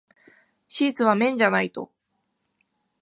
シーツは綿じゃないと。